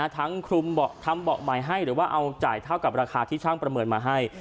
คลุมทำเบาะใหม่ให้หรือว่าเอาจ่ายเท่ากับราคาที่ช่างประเมินมาให้